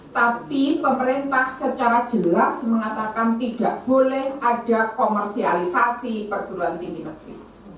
tapi pemerintah secara jelas mengatakan tidak boleh ada komersialisasi perguruan tinggi negeri